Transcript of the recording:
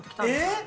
えっ！